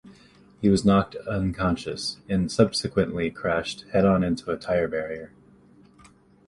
He was knocked unconscious, and subsequently crashed head-on into a tyre barrier.